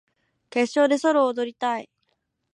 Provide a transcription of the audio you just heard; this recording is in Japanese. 決勝でソロを踊りたい